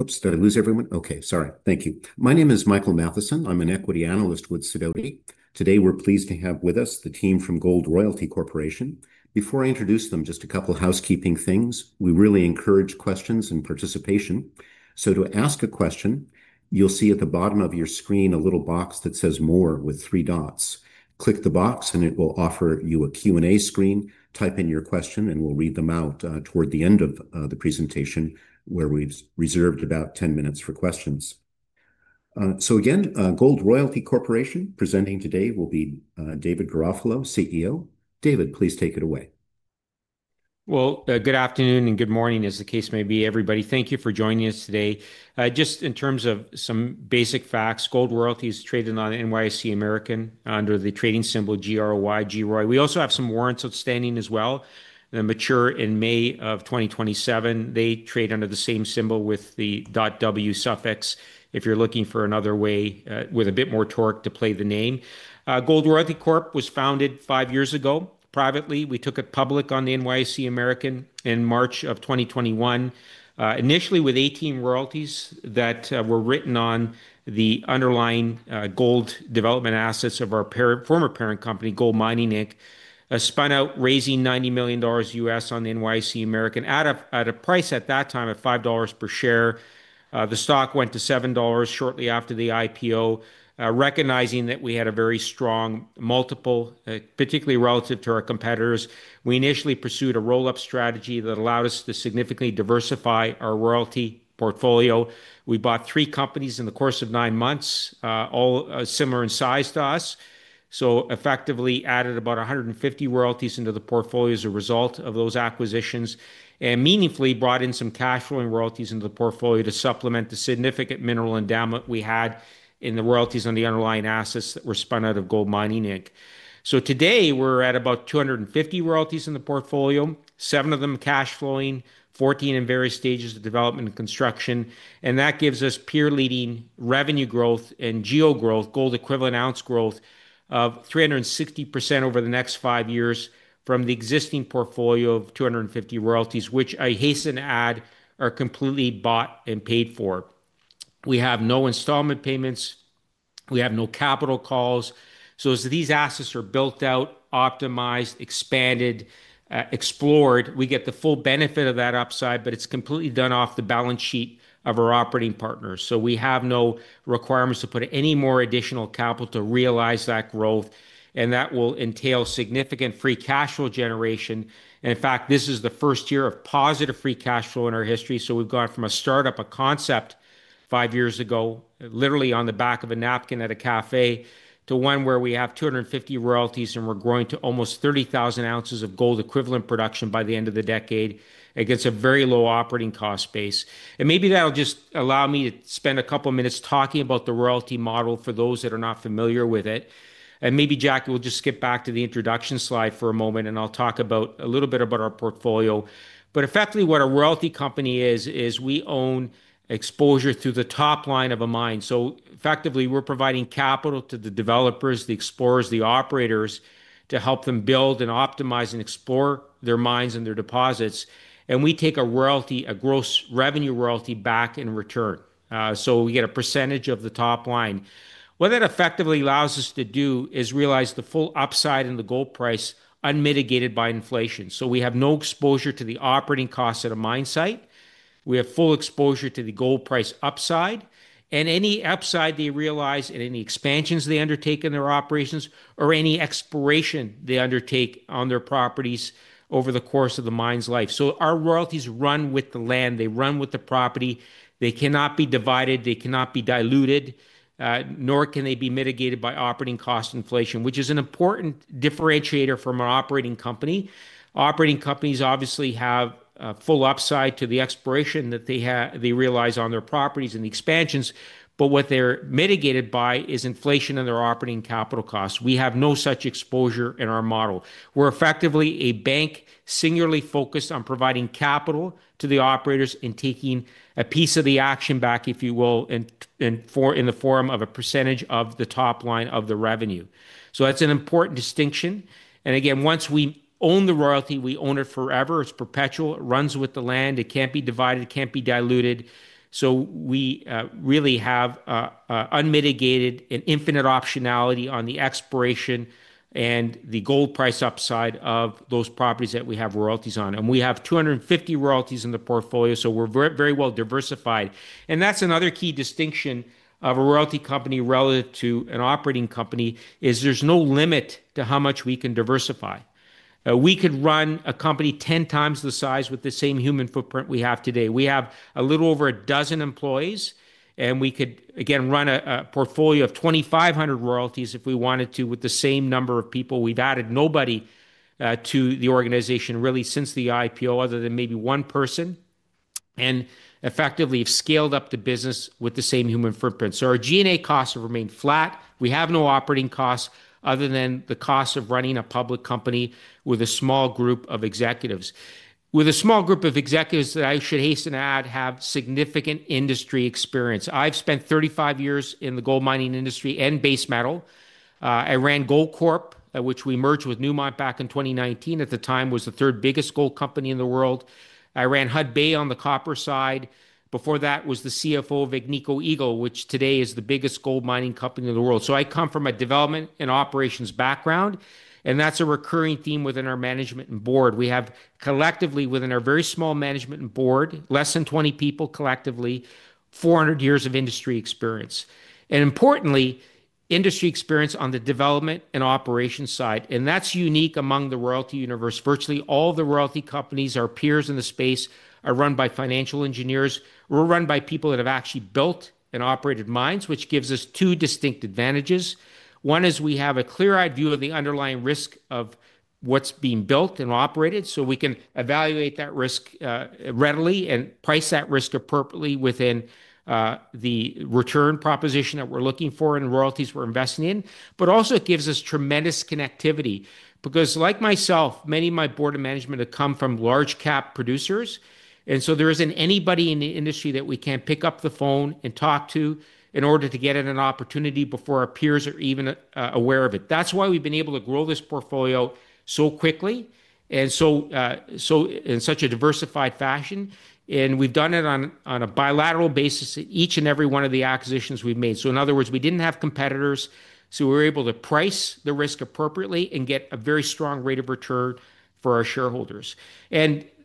Upstart news everyone. Thank you. My name is Michael Matheson. I'm an equity analyst with Sidoti. Today, we're pleased to have with us the team from Gold Royalty Corporation. Before I introduce them, just a couple of housekeeping things. We really encourage questions and participation. To ask a question, you'll see at the bottom of your screen a little box that says More with three dots. Click the box, and it will offer you a Q&A screen. Type in your question, and we'll read them out toward the end of the presentation, where we've reserved about 10 minutes for questions. Again, Gold Royalty Corporation presenting today will be David Garofalo, CEO. David, please take it away. Good afternoon and good morning, as the case may be, everybody. Thank you for joining us today. Just in terms of some basic facts, Gold Royalty is traded on NYSE American under the trading symbol GROY. We also have some warrants outstanding as well. They mature in May of 2027. They trade under the same symbol with the .W suffix if you're looking for another way with a bit more torque to play the name. Gold Royalty Corp was founded five years ago privately. We took it public on the NYSE American in March of 2021, initially with 18 royalties that were written on the underlying gold development assets of our former parent company, GoldMining Inc., a spinout raising $90 million U.S. on the NYSE American at a price at that time of $5 per share. The stock went to $7 shortly after the IPO, recognizing that we had a very strong multiple, particularly relative to our competitors. We initially pursued a roll-up strategy that allowed us to significantly diversify our royalty portfolio. We bought three companies in the course of nine months, all similar in size to us, effectively adding about 150 royalties into the portfolio as a result of those acquisitions, and meaningfully brought in some cash-flowing royalties into the portfolio to supplement the significant mineral endowment we had in the royalties on the underlying assets that were spun out of GoldMining Inc. Today we're at about 250 royalties in the portfolio, seven of them cash-flowing, 14 in various stages of development and construction. That gives us peer-leading revenue growth and GEO growth, gold equivalent ounce growth of 360% over the next five years from the existing portfolio of 250 royalties, which I hasten to add are completely bought and paid for. We have no installment payments. We have no capital calls. As these assets are built out, optimized, expanded, explored, we get the full benefit of that upside, but it's completely done off the balance sheet of our operating partners. We have no requirements to put any more additional capital to realize that growth, and that will entail significant free cash flow generation. In fact, this is the first year of positive free cash flow in our history. We've gone from a startup, a concept five years ago, literally on the back of a napkin at a cafe, to one where we have 250 royalties and we're growing to almost 30,000 oz of gold equivalent production by the end of the decade. It gets a very low operating cost base. Maybe that'll just allow me to spend a couple of minutes talking about the royalty model for those that are not familiar with it. Maybe Jackie will just skip back to the introduction slide for a moment, and I'll talk a little bit about our portfolio. Effectively, what a royalty company is, is we own exposure through the top line of a mine. Effectively, we're providing capital to the developers, the explorers, the operators to help them build and optimize and explore their mines and their deposits. We take a royalty, a gross revenue royalty back in return. We get a percentage of the top line. What that effectively allows us to do is realize the full upside in the gold price unmitigated by inflation. We have no exposure to the operating costs at a mine site. We have full exposure to the gold price upside and any upside they realize in any expansions they undertake in their operations or any exploration they undertake on their properties over the course of the mine's life. Our royalties run with the land. They run with the property. They cannot be divided. They cannot be diluted, nor can they be mitigated by operating cost inflation, which is an important differentiator from our operating company. Operating companies obviously have a full upside to the exploration that they realize on their properties and the expansions, but what they're mitigated by is inflation and their operating capital costs. We have no such exposure in our model. We're effectively a bank singularly focused on providing capital to the operators and taking a piece of the action back, if you will, in the form of a percentage of the top line of the revenue. That's an important distinction. Once we own the royalty, we own it forever. It's perpetual. It runs with the land. It can't be divided. It can't be diluted. We really have unmitigated and infinite optionality on the exploration and the gold price upside of those properties that we have royalties on. We have 250 royalties in the portfolio, so we're very well diversified. That's another key distinction of a royalty company relative to an operating company, as there's no limit to how much we can diversify. We could run a company 10x the size with the same human footprint we have today. We have a little over a dozen employees, and we could again run a portfolio of 2,500 royalties if we wanted to with the same number of people. We've added nobody to the organization really since the IPO other than maybe one person and effectively have scaled up the business with the same human footprint. Our G&A costs have remained flat. We have no operating costs other than the cost of running a public company with a small group of executives. With a small group of executives that I should hasten to add have significant industry experience. I've spent 35 years in the gold mining industry and base metal. I ran Goldcorp, which we merged with Newmont back in 2019. At the time, it was the third biggest gold company in the world. I ran Hudbay on the copper side. Before that was the CFO of Agnico Eagle, which today is the biggest gold mining company in the world. I come from a development and operations background, and that's a recurring theme within our management and board. We have collectively within our very small management and board, less than 20 people collectively, 400 years of industry experience. Importantly, industry experience on the development and operations side, and that's unique among the royalty universe. Virtually all the royalty companies, our peers in the space, are run by financial engineers. We're run by people that have actually built and operated mines, which gives us two distinct advantages. One is we have a clear-eyed view of the underlying risk of what's being built and operated, so we can evaluate that risk readily and price that risk appropriately within the return proposition that we're looking for in royalties we're investing in. It also gives us tremendous connectivity because, like myself, many of my board and management have come from large-cap producers, and there isn't anybody in the industry that we can't pick up the phone and talk to in order to get an opportunity before our peers are even aware of it. That's why we've been able to grow this portfolio so quickly and in such a diversified fashion. We've done it on a bilateral basis at each and every one of the acquisitions we've made. In other words, we didn't have competitors, so we were able to price the risk appropriately and get a very strong rate of return for our shareholders.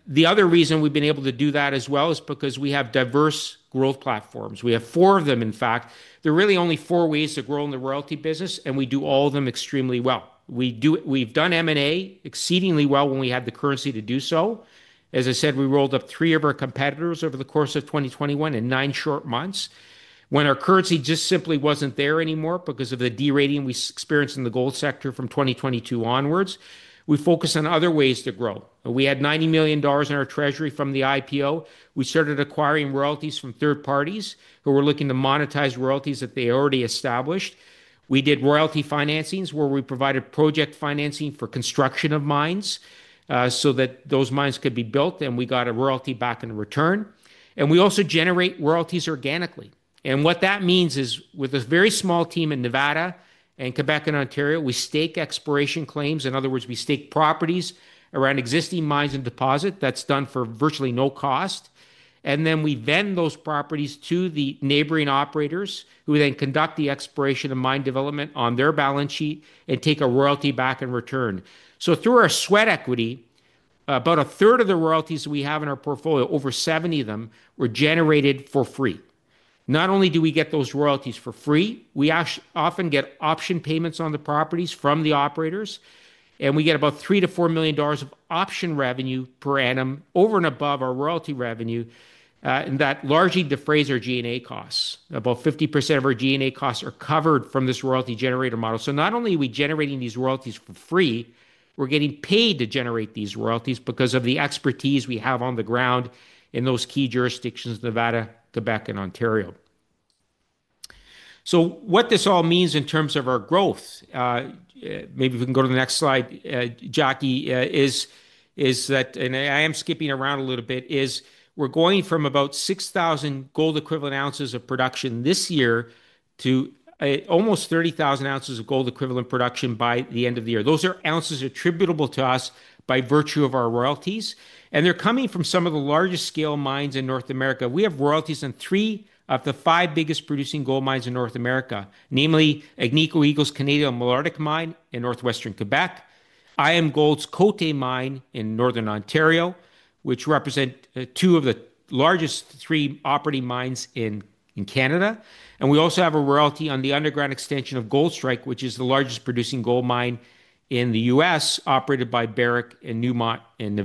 The other reason we've been able to do that as well is because we have diverse growth platforms. We have four of them, in fact. There are really only four ways to grow in the royalty business, and we do all of them extremely well. We've done M&A exceedingly well when we had the currency to do so. As I said, we rolled up three of our competitors over the course of 2021 in nine short months. When our currency just simply wasn't there anymore because of the de-rating we experienced in the gold sector from 2022 onwards, we focused on other ways to grow. We had $90 million in our treasury from the IPO. We started acquiring royalties from third parties who were looking to monetize royalties that they already established. We did royalty financings where we provided project financing for construction of mines so that those mines could be built, and we got a royalty back in return. We also generate royalties organically. What that means is with a very small team in Nevada, Quebec, and Ontario, we stake exploration claims. In other words, we stake properties around existing mines and deposits. That's done for virtually no cost. We vend those properties to the neighboring operators who then conduct the exploration or mine development on their balance sheet and take a royalty back in return. Through our sweat equity, about a third of the royalties that we have in our portfolio, over 70 of them, were generated for free. Not only do we get those royalties for free, we often get option payments on the properties from the operators, and we get about $3 million-$4 million of option revenue per annum over and above our royalty revenue. That largely defrays our G&A costs. About 50% of our G&A costs are covered from this royalty generator model. Not only are we generating these royalties for free, we're getting paid to generate these royalties because of the expertise we have on the ground in those key jurisdictions, Nevada, Quebec, and Ontario. What this all means in terms of our growth, maybe we can go to the next slide, Jackie, is that, and I am skipping around a little bit, we're going from about 6,000 gold equivalent ounces of production this year to almost 30,000 oz of gold equivalent production by the end of the year. Those are ounces attributable to us by virtue of our royalties, and they're coming from some of the largest scale mines in North America. We have royalties on three of the five biggest producing gold mines in North America, namely Agnico Eagle's Canadian Malartic mine in northwestern Quebec, IAMGOLD's Côté Mine in northern Ontario, which represent two of the largest three operating mines in Canada. We also have a royalty on the underground extension of Goldstrike, which is the largest producing gold mine in the U.S., operated by Barrick and Newmont in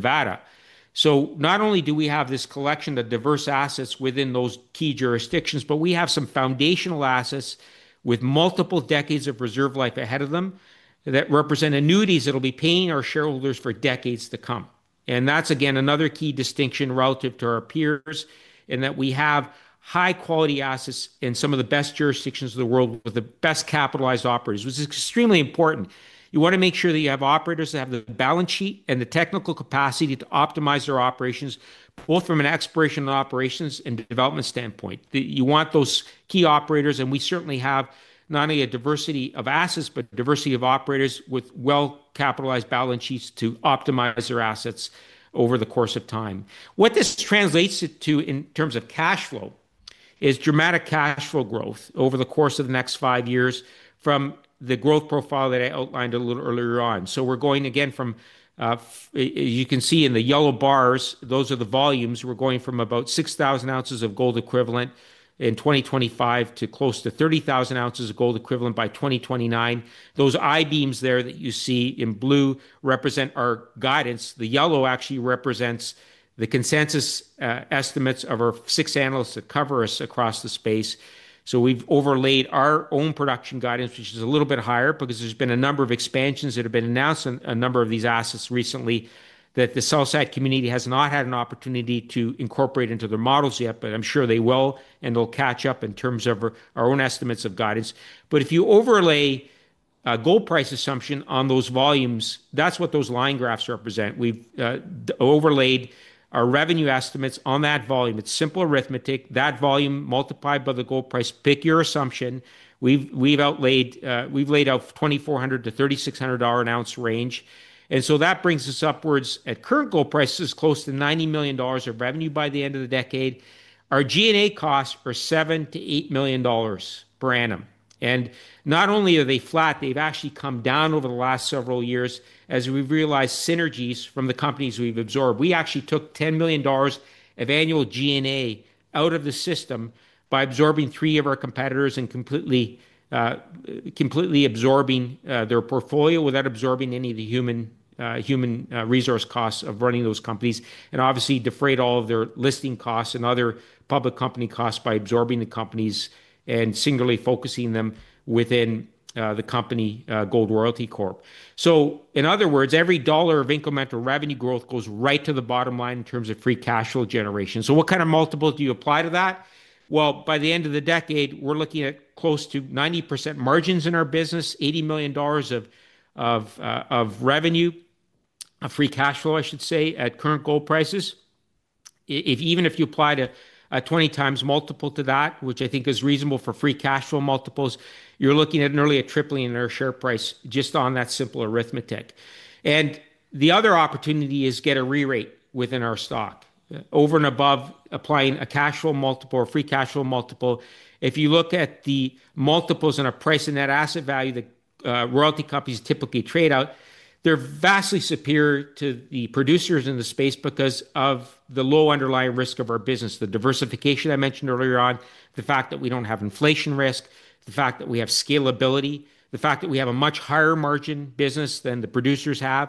Nevada. Not only do we have this collection of diverse assets within those key jurisdictions, but we have some foundational assets with multiple decades of reserve life ahead of them that represent annuities that will be paying our shareholders for decades to come. That is, again, another key distinction relative to our peers in that we have high-quality assets in some of the best jurisdictions of the world with the best capitalized operators, which is extremely important. You want to make sure that you have operators that have the balance sheet and the technical capacity to optimize their operations, both from an exploration and operations and development standpoint. You want those key operators, and we certainly have not only a diversity of assets, but a diversity of operators with well-capitalized balance sheets to optimize their assets over the course of time. What this translates to in terms of cash flow is dramatic cash flow growth over the course of the next five years from the growth profile that I outlined a little earlier on. We are going again from, as you can see in the yellow bars, those are the volumes. We are going from about 6,000 oz of gold equivalent in 2025 to close to 30,000 oz of gold equivalent by 2029. Those I-beams that you see in blue represent our guidance. The yellow actually represents the consensus estimates of our six analysts that cover us across the space. We have overlaid our own production guidance, which is a little bit higher because there have been a number of expansions that have been announced in a number of these assets recently that the sell-side community has not had an opportunity to incorporate into their models yet. I am sure they will, and they will catch up in terms of our own estimates of guidance. If you overlay a gold price assumption on those volumes, that is what those line graphs represent. We have overlaid our revenue estimates on that volume. It is simple arithmetic. That volume multiplied by the gold price, pick your assumption. We have laid out $2,400-$3,600 an ounce range. That brings us upwards at current gold prices, close to $90 million of revenue by the end of the decade. Our G&A costs are $7 million-$8 million per annum. Not only are they flat, they've actually come down over the last several years as we've realized synergies from the companies we've absorbed. We actually took $10 million of annual G&A out of the system by absorbing three of our competitors and completely absorbing their portfolio without absorbing any of the human resource costs of running those companies. Obviously, defrayed all of their listing costs and other public company costs by absorbing the companies and singularly focusing them within the company, Gold Royalty Corp. In other words, every dollar of incremental revenue growth goes right to the bottom line in terms of free cash flow generation. What kind of multiples do you apply to that? By the end of the decade, we're looking at close to 90% margins in our business, $80 million of revenue, of free cash flow, I should say, at current gold prices. Even if you apply a 20x multiple to that, which I think is reasonable for free cash flow multiples, you're looking at nearly a tripling in our share price just on that simple arithmetic. The other opportunity is to get a re-rate within our stock over and above applying a cash flow multiple or free cash flow multiple. If you look at the multiples and a price and net asset value that royalty companies typically trade at, they're vastly superior to the producers in the space because of the low underlying risk of our business. The diversification I mentioned earlier on, the fact that we don't have inflation risk, the fact that we have scalability, the fact that we have a much higher margin business than the producers have,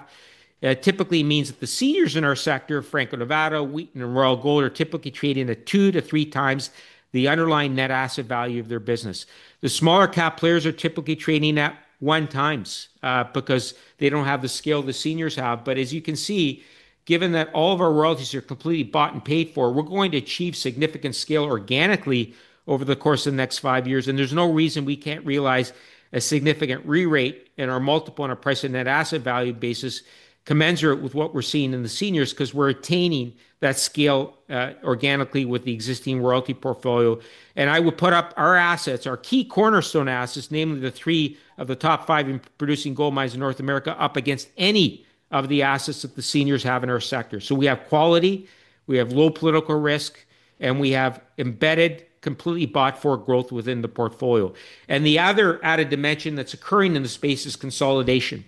typically means that the seniors in our sector, Franco-Nevada, Wheaton, and Royal Gold are typically trading at 2x-3x the underlying net asset value of their business. The smaller cap players are typically trading at one times because they don't have the scale the seniors have. As you can see, given that all of our royalties are completely bought and paid for, we're going to achieve significant scale organically over the course of the next five years. There's no reason we can't realize a significant re-rate in our multiple on a price and net asset value basis, commensurate with what we're seeing in the seniors because we're attaining that scale organically with the existing royalty portfolio. I will put up our assets, our key cornerstone assets, namely the three of the top five producing gold mines in North America, up against any of the assets that the seniors have in our sector. We have quality, we have low political risk, and we have embedded, completely bought-for growth within the portfolio. The other added dimension that's occurring in the space is consolidation.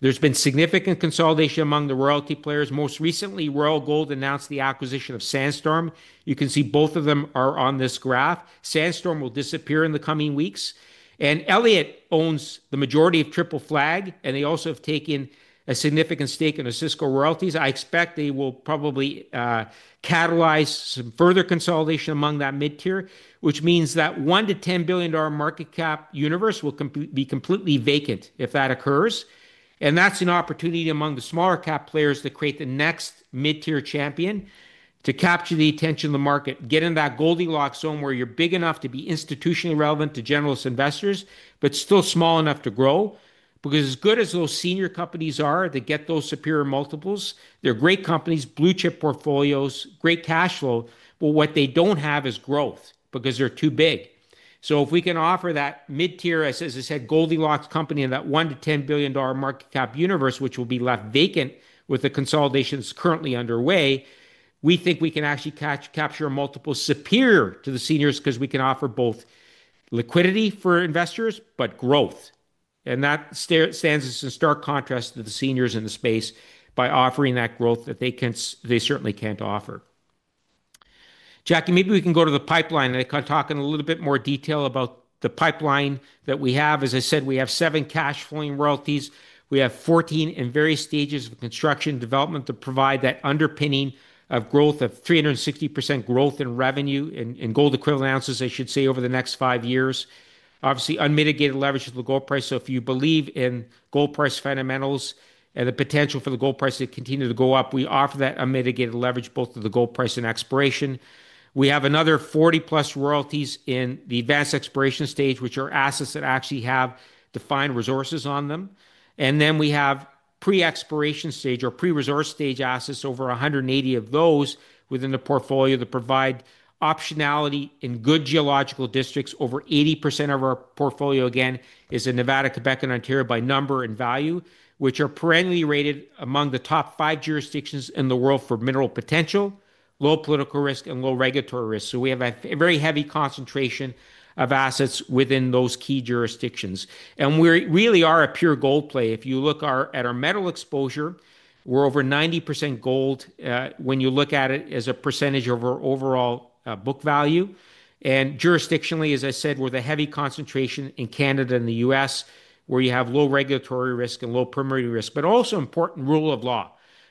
There's been significant consolidation among the royalty players. Most recently, Royal Gold announced the acquisition of Sandstorm. You can see both of them are on this graph. Sandstorm will disappear in the coming weeks. Elliott owns the majority of Triple Flag, and they also have taken a significant stake in the Osisko royalties. I expect they will probably catalyze some further consolidation among that mid-tier, which means that $1 billion-$10 billion market cap universe will be completely vacant if that occurs. That's an opportunity among the smaller cap players to create the next mid-tier champion to capture the attention of the market, get in that Goldilocks zone where you're big enough to be institutionally relevant to generalist investors, but still small enough to grow. As good as those senior companies are that get those superior multiples, they're great companies, blue chip portfolios, great cash flow. What they don't have is growth because they're too big. If we can offer that mid-tier, as I said, Goldilocks company in that $1 billion-$10 billion market cap universe, which will be left vacant with the consolidation that's currently underway, we think we can actually capture a multiple superior to the seniors because we can offer both liquidity for investors, but growth. That stands in stark contrast to the seniors in the space by offering that growth that they certainly can't offer. Jackie, maybe we can go to the pipeline and talk in a little bit more detail about the pipeline that we have. As I said, we have seven cash-flowing royalties. We have 14 in various stages of construction and development to provide that underpinning of growth of 360% growth in revenue in gold equivalent ounces, I should say, over the next five years. Obviously, unmitigated leverage of the gold price. If you believe in gold price fundamentals and the potential for the gold price to continue to go up, we offer that unmitigated leverage both to the gold price and exploration. We have another 40+ royalties in the advanced exploration stage, which are assets that actually have defined resources on them. Then we have pre-exploration stage or pre-resource stage assets, over 180 of those within the portfolio that provide optionality in good geological districts. Over 80% of our portfolio again is in Nevada, Quebec, and Ontario by number and value, which are perennially rated among the top five jurisdictions in the world for mineral potential, low political risk, and low regulatory risk. We have a very heavy concentration of assets within those key jurisdictions. We really are a pure gold play. If you look at our metal exposure, we're over 90% gold when you look at it as a percentage of our overall book value. Jurisdictionally, as I said, we're the heavy concentration in Canada and the U.S. where you have low regulatory risk and low permeability risk, but also an important rule of law.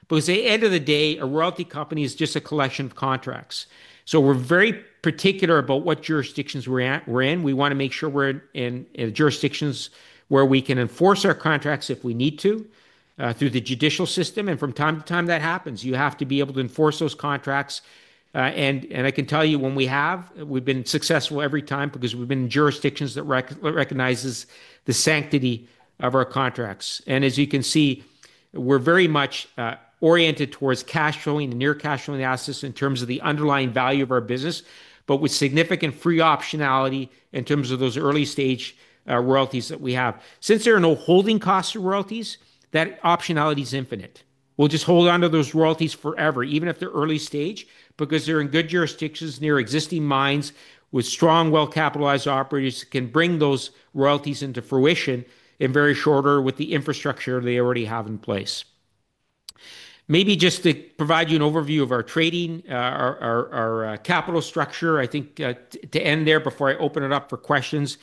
At the end of the day, a royalty company is just a collection of contracts. We're very particular about what jurisdictions we're in. We want to make sure we're in jurisdictions where we can enforce our contracts if we need to through the judicial system. From time to time, that happens. You have to be able to enforce those contracts. I can tell you when we have, we've been successful every time because we've been in jurisdictions that recognize the sanctity of our contracts. As you can see, we're very much oriented towards cash-flowing and near cash-flowing assets in terms of the underlying value of our business, but with significant free optionality in terms of those early stage royalties that we have. Since there are no holding costs of royalties, that optionality is infinite. We'll just hold on to those royalties forever, even if they're early stage, because they're in good jurisdictions near existing mines with strong, well-capitalized operators that can bring those royalties into fruition in very short order with the infrastructure they already have in place. Maybe just to provide you an overview of our trading, our capital structure, I think to end there before I open it up for questions.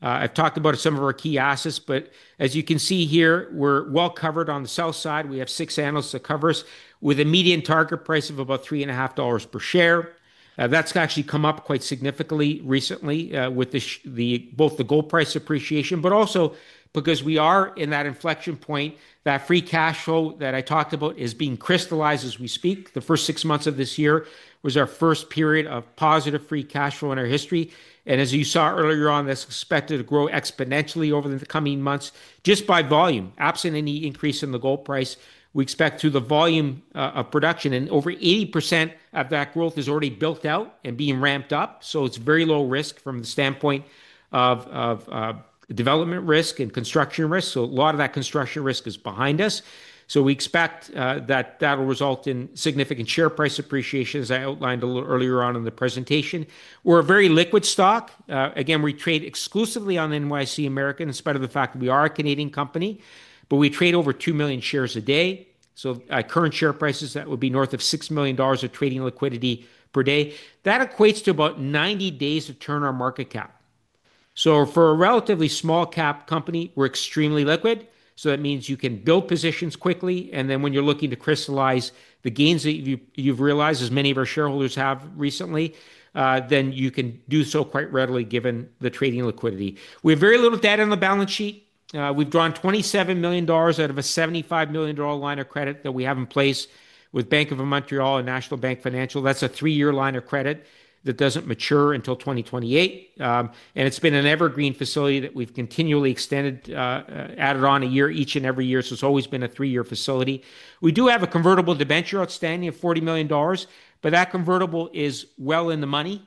I've talked about some of our key assets, but as you can see here, we're well covered on the sell side. We have six analysts that cover us with a median target price of about $3.50 per share. That's actually come up quite significantly recently with both the gold price appreciation, but also because we are in that inflection point. That free cash flow that I talked about is being crystallized as we speak. The first six months of this year was our first period of positive free cash flow in our history. As you saw earlier on, that's expected to grow exponentially over the coming months just by volume, absent any increase in the gold price. We expect the volume of production, and over 80% of that growth is already built out and being ramped up. It's very low risk from the standpoint of development risk and construction risk. A lot of that construction risk is behind us. We expect that will result in significant share price appreciation, as I outlined a little earlier on in the presentation. We're a very liquid stock. We trade exclusively on NYSE American, in spite of the fact that we are a Canadian company, but we trade over 2 million shares a day. At current share prices, that would be north of $6 million of trading liquidity per day. That equates to about 90 days to turn our market cap. For a relatively small cap company, we're extremely liquid. That means you can build positions quickly, and when you're looking to crystallize the gains that you've realized, as many of our shareholders have recently, you can do so quite readily given the trading liquidity. We have very little debt on the balance sheet. We've drawn $27 million out of a $75 million line of credit that we have in place with Bank of Montreal and National Bank Financial. That's a three-year line of credit that doesn't mature until 2028. It's been an evergreen facility that we've continually extended, added on a year each and every year. It's always been a three-year facility. We do have a convertible debenture outstanding of $40 million, but that convertible is well in the money.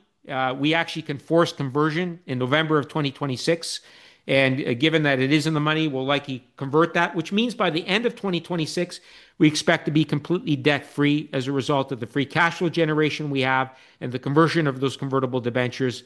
We actually can force conversion in November of 2026. Given that it is in the money, we'll likely convert that, which means by the end of 2026, we expect to be completely debt-free as a result of the free cash flow generation we have and the conversion of those convertible debentures,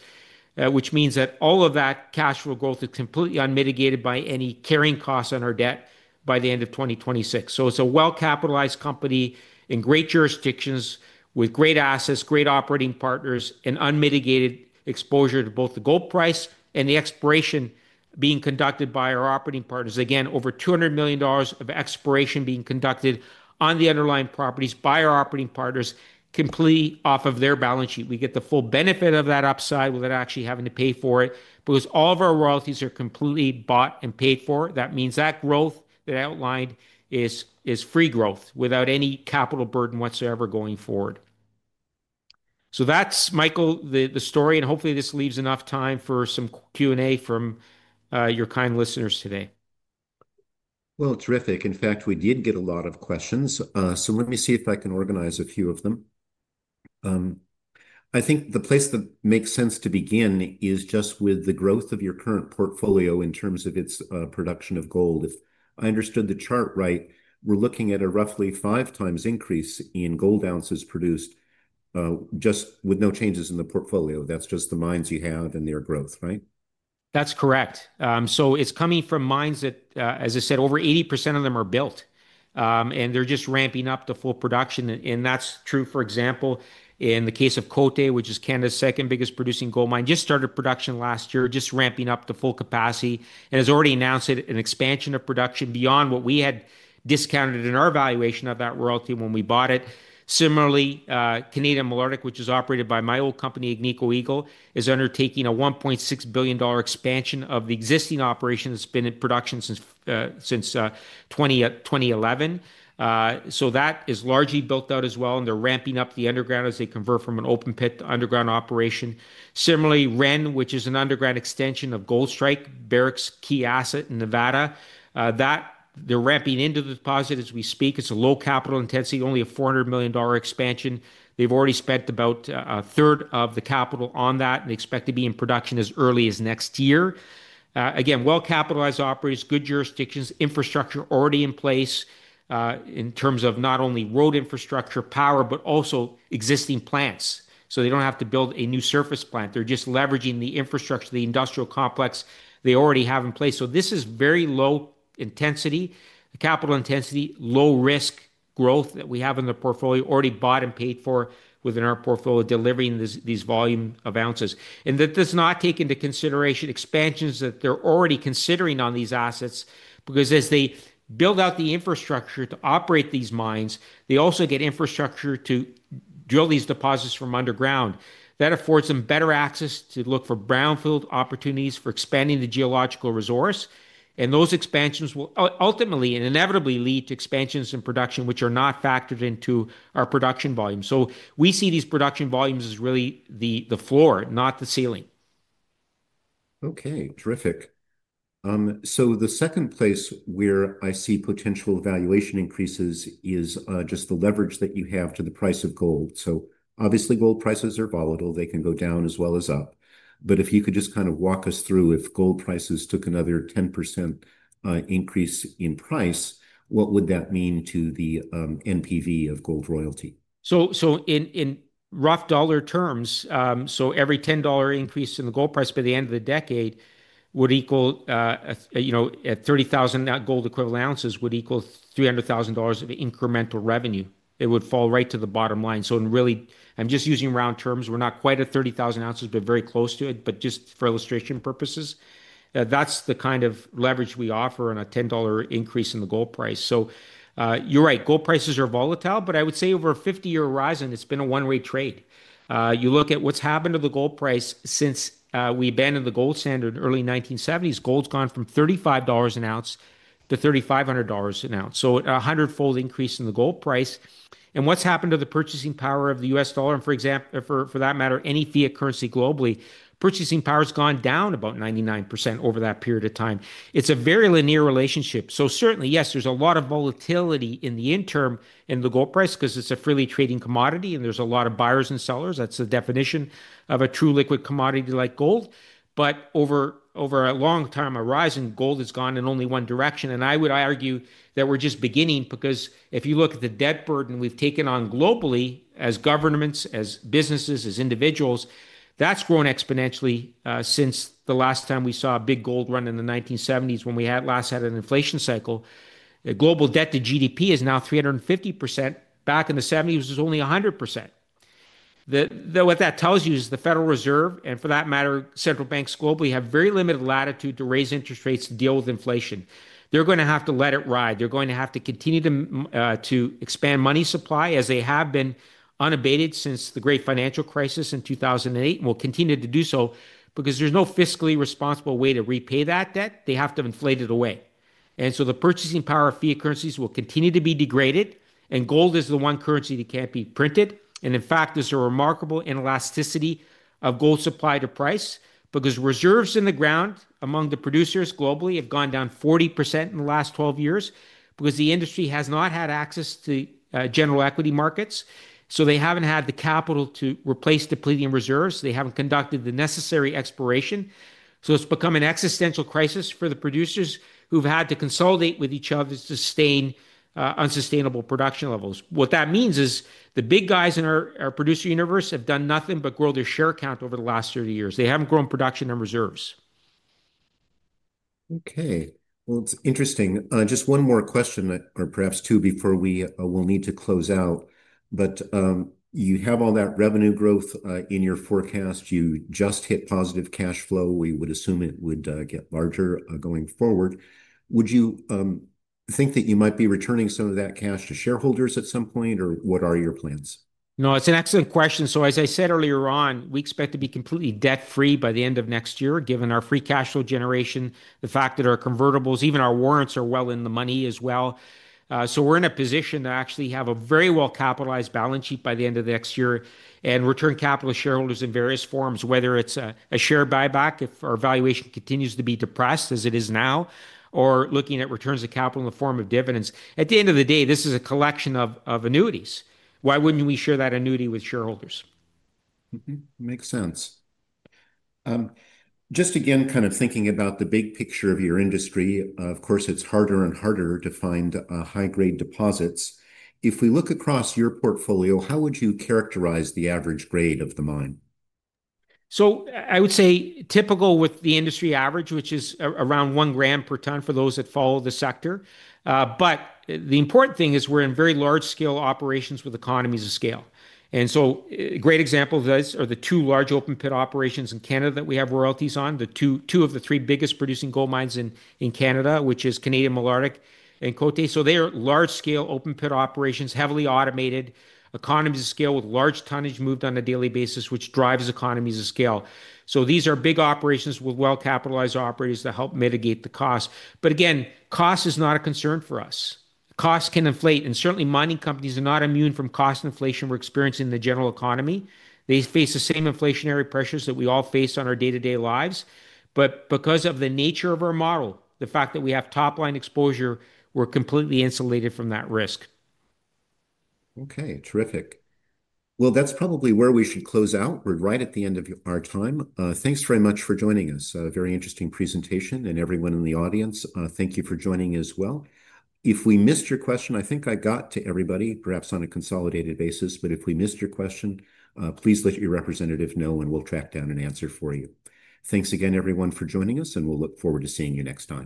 which means that all of that cash flow growth is completely unmitigated by any carrying costs on our debt by the end of 2026. It is a well-capitalized company in great jurisdictions with great assets, great operating partners, and unmitigated exposure to both the gold price and the exploration being conducted by our operating partners. Again, over $200 million of exploration is being conducted on the underlying properties by our operating partners, completely off of their balance sheet. We get the full benefit of that upside without actually having to pay for it because all of our royalties are completely bought and paid for. That means that growth that I outlined is free growth without any capital burden whatsoever going forward. Michael, that's the story. Hopefully, this leaves enough time for some Q&A from your kind listeners today. Terrific. In fact, we did get a lot of questions. Let me see if I can organize a few of them. I think the place that makes sense to begin is just with the growth of your current portfolio in terms of its production of gold. If I understood the chart right, we're looking at a roughly 5x increase in gold ounces produced just with no changes in the portfolio. That's just the mines you have and their growth, right? That's correct. It's coming from mines that, as I said, over 80% of them are built, and they're just ramping up to full production. That's true, for example, in the case of Côté, which is Canada's second biggest producing gold mine, just started production last year, just ramping up to full capacity. It's already announced an expansion of production beyond what we had discounted in our valuation of that royalty when we bought it. Similarly, Canadian Malartic, which is operated by my old company, Agnico Eagle, is undertaking a $1.6 billion expansion of the existing operation that's been in production since 2011. That is largely built out as well, and they're ramping up the underground as they convert from an open pit to underground operation. Similarly, Ren, which is an underground extension of Goldstrike, Barrick's key asset in Nevada, they're ramping into the deposit as we speak. It's a low capital intensity, only a $400 million expansion. They've already spent about a third of the capital on that and expect to be in production as early as next year. Again, well-capitalized operators, good jurisdictions, infrastructure already in place in terms of not only road infrastructure, power, but also existing plants. They don't have to build a new surface plant. They're just leveraging the infrastructure, the industrial complex they already have in place. This is very low capital intensity, low risk growth that we have in the portfolio, already bought and paid for within our portfolio, delivering these volume of ounces. That does not take into consideration expansions that they're already considering on these assets because as they build out the infrastructure to operate these mines, they also get infrastructure to drill these deposits from underground. That affords them better access to look for brownfield opportunities for expanding the geological resource. Those expansions will ultimately and inevitably lead to expansions in production, which are not factored into our production volume. We see these production volumes as really the floor, not the ceiling. Okay, terrific. The second place where I see potential valuation increases is just the leverage that you have to the price of gold. Obviously, gold prices are volatile. They can go down as well as up. If you could just kind of walk us through if gold prices took another 10% increase in price, what would that mean to the NPV of Gold Royalty? In rough dollar terms, every $10 increase in the gold price by the end of the decade would equal, at 30,000 gold equivalent ounces, $300,000 of incremental revenue. It would fall right to the bottom line. I'm just using round terms. We're not quite at 30,000 oz, but very close to it. For illustration purposes, that's the kind of leverage we offer on a $10 increase in the gold price. You're right, gold prices are volatile, but I would say over a 50-year horizon, it's been a one-way trade. You look at what's happened to the gold price since we abandoned the gold standard in the early 1970s. Gold's gone from $35 an ounce to $3,500 an ounce, a hundred-fold increase in the gold price. What's happened to the purchasing power of the U.S. dollar? For that matter, any fiat currency globally, purchasing power's gone down about 99% over that period of time. It's a very linear relationship. Certainly, yes, there's a lot of volatility in the interim in the gold price because it's a freely trading commodity and there's a lot of buyers and sellers. That's the definition of a true liquid commodity like gold. Over a long time, a rise in gold has gone in only one direction. I would argue that we're just beginning because if you look at the debt burden we've taken on globally as governments, as businesses, as individuals, that's grown exponentially since the last time we saw a big gold run in the 1970s when we last had an inflation cycle. The global debt to GDP is now 350%. Back in the 1970s, it was only 100%. What that tells you is the Federal Reserve, and for that matter, central banks globally, have very limited latitude to raise interest rates to deal with inflation. They're going to have to let it ride. They're going to have to continue to expand money supply as they have been unabated since the great financial crisis in 2008 and will continue to do so because there's no fiscally responsible way to repay that debt. They have to inflate it away. The purchasing power of fiat currencies will continue to be degraded and gold is the one currency that can't be printed. In fact, there's a remarkable inelasticity of gold supply to price because reserves in the ground among the producers globally have gone down 40% in the last 12 years because the industry has not had access to general equity markets. They haven't had the capital to replace depleting reserves. They haven't conducted the necessary exploration. It's become an existential crisis for the producers who've had to consolidate with each other to sustain unsustainable production levels. What that means is the big guys in our producer universe have done nothing but grow their share count over the last 30 years. They haven't grown production in reserves. Okay, it's interesting. Just one more question, or perhaps two before we need to close out. You have all that revenue growth in your forecast. You just hit positive cash flow. We would assume it would get larger going forward. Would you think that you might be returning some of that cash to shareholders at some point, or what are your plans? No, it's an excellent question. As I said earlier on, we expect to be completely debt-free by the end of next year, given our free cash flow generation, the fact that our convertibles, even our warrants, are well in the money as well. We're in a position to actually have a very well-capitalized balance sheet by the end of next year and return capital to shareholders in various forms, whether it's a share buyback if our valuation continues to be depressed as it is now, or looking at returns of capital in the form of dividends. At the end of the day, this is a collection of annuities. Why wouldn't we share that annuity with shareholders? Makes sense. Just again, kind of thinking about the big picture of your industry, of course, it's harder and harder to find high-grade deposits. If we look across your portfolio, how would you characterize the average grade of the mine? I would say typical with the industry average, which is around 1 g/ton for those that follow the sector. The important thing is we're in very large-scale operations with economies of scale. A great example of this are the two large open pit operations in Canada that we have royalties on, two of the three biggest producing gold mines in Canada, which is Canadian Malartic and Côté. They are large-scale open pit operations, heavily automated, economies of scale with large tonnage moved on a daily basis, which drives economies of scale. These are big operations with well-capitalized operators that help mitigate the cost. Cost is not a concern for us. Costs can inflate, and certainly mining companies are not immune from cost inflation we're experiencing in the general economy. They face the same inflationary pressures that we all face on our day-to-day lives. Because of the nature of our model, the fact that we have top-line exposure, we're completely insulated from that risk. Okay, terrific. That's probably where we should close out. We're right at the end of our time. Thanks very much for joining us. A very interesting presentation, and everyone in the audience, thank you for joining as well. If we missed your question, I think I got to everybody, perhaps on a consolidated basis, but if we missed your question, please let your representative know and we'll track down an answer for you. Thanks again, everyone, for joining us, and we'll look forward to seeing you next time.